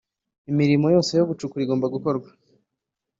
Imirimo yose yo gucukura igomba gukorwa